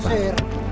nah ini dia